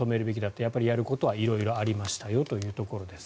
やっぱりやることは色々ありましたよというところです。